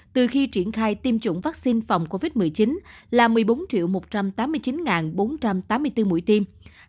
từ khi triển khai tiêm chủng vaccine phòng covid một mươi chín là một mươi bốn một trăm tám mươi chín bốn trăm tám mươi bốn mũi tiêm